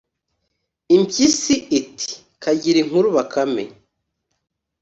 Impyisi iti: "Kagire inkuru Bakame